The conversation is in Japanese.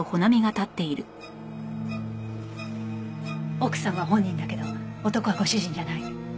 奥さんは本人だけど男はご主人じゃない。